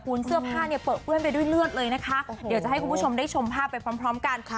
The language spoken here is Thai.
คุณเสื้อผ้าเนี่ยเปลือเปื้อนไปด้วยเลือดเลยนะคะเดี๋ยวจะให้คุณผู้ชมได้ชมภาพไปพร้อมพร้อมกัน